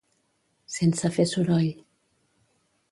Sense fer soroll.